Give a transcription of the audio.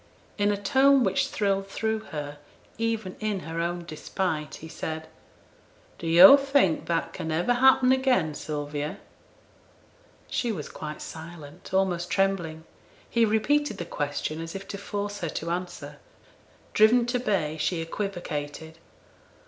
In a tone which thrilled through her, even in her own despite, he said, 'Do yo' think that can ever happen again, Sylvia?' She was quite silent; almost trembling. He repeated the question as if to force her to answer. Driven to bay, she equivocated.